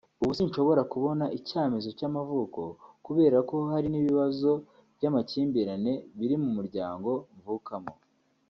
ubu sinshobora kubona icyamezo cy’amavuko kubera ko hari n’ibibazo by’amakimbirane biri mu muryango mvukamo